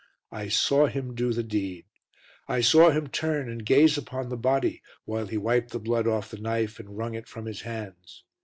I saw him do the deed. I saw him turn and gaze upon the body while he wiped the blood off the knife and wrung it from his hands.